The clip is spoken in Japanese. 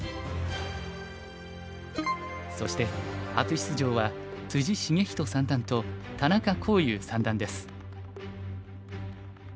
そして初出場は篤仁三段と田中康湧三段です。